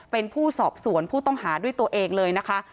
เป็นผู้สอบสวนผู้ต้องหาด้วยตัวเองเลยนะคะ